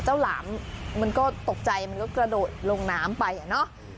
เจ้าหลามมันก็ตกใจกระโดดลงน้ำไปเนาะ